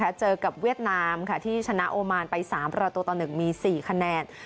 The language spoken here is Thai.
เจอกับเวียดนามค่ะที่ชนะโอมานไป๓ประตูต่อ๑มี๔คะแนน